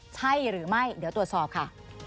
ใช่หรือไม่เดี๋ยวตรวจสอบค่ะ